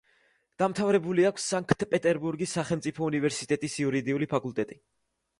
დამთავრებული აქვს სანქტ-პეტერბურგის სახელმწიფო უნივერსიტეტის იურიდიული ფაკულტეტი.